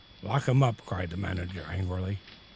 "Lock him up!" cried the manager angrily.